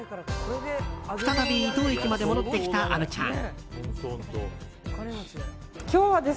再び伊東駅まで戻ってきた虻ちゃん。